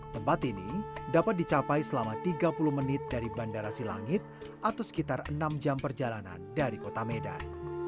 tempat ini dapat dicapai selama tiga puluh menit dari bandara silangit atau sekitar enam jam perjalanan dari kota medan